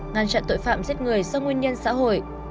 ngăn chặn tội phạm giết người do nguyên nhân xã hội